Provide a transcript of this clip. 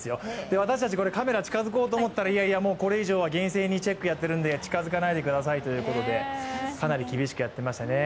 私たち、カメラが近づこうと思ったら、いやいや、これ以上は厳正にチェックをやっているので近づかないでくださいということで、かなり厳しくやっていましたね。